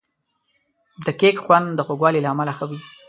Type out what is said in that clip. د کیک خوند د خوږوالي له امله ښه وي.